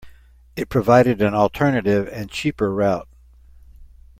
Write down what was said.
It provided an alternative and cheaper route.